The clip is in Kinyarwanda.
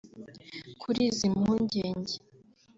Kuri izi mpungenge